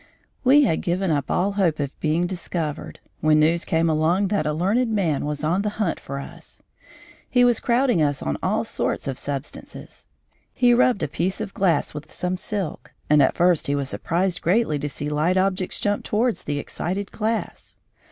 We had given up all hope of being discovered, when news came along that a learned man was on the hunt for us. He was crowding us on to all sorts of substances. He rubbed a piece of glass with some silk, and at first he was surprised greatly to see light objects jump towards the excited glass.